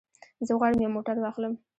زه غواړم یو موټر واخلم.